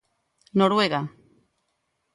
Noruega.